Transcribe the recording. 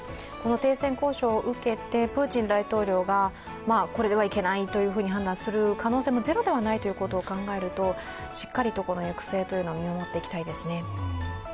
この停戦交渉を受けてプーチン大統領がこれではいけないと判断する可能性もゼロではないということを考えるとしっかりとこの行く末を見守っていきたいですね。